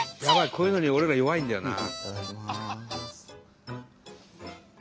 こういうのに俺ら弱いんだよな。